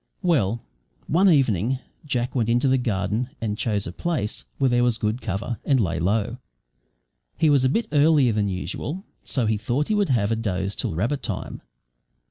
Well, one evening Jack went into the garden and chose a place where there was good cover, and lay low. He was a bit earlier than usual, so he thought he would have a doze till rabbit time.